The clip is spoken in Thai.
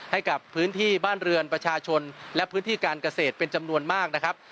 ให้กับพื้นที่บ้านเรือนประชาชนและพื้นที่การเกษตรเป็นจำนวนมากนะครับ